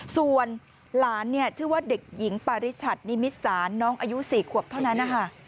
ส่วนหลานชื่อว่าเด็กหญิงปาริชัดนิมิตสารน้องอายุ๔ขวบเท่านั้นนะคะ